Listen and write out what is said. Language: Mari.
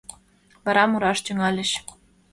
Вара мураш тӱҥальыч: